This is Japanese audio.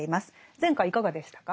前回いかがでしたか？